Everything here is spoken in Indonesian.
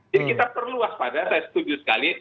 jadi kita perlu waspada saya setuju sekali